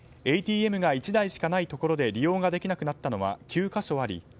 ＡＴＭが１台しかないところで利用ができなくなったのは９か所あり